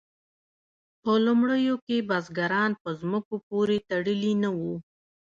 په لومړیو کې بزګران په ځمکو پورې تړلي نه وو.